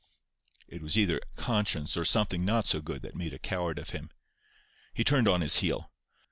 It was either conscience or something not so good that made a coward of him. He turned on his heel.